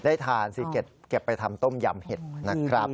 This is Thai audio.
ได้ทานสิเก็บไปทำต้มยำเห็ดนะครับ